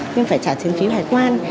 nhưng phải trả tiền phí hải quan